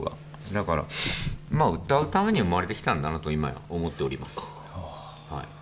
だから、歌うために生まれてきたんだなといまや思っております。